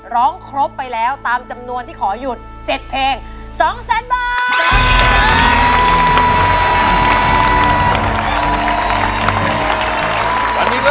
ร้องครบไปแล้วตามจำนวนที่ขอยุทธ์๗เพลง